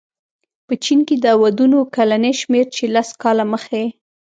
په چین کې د ودونو کلنی شمېر چې لس کاله مخې